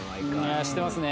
してますね。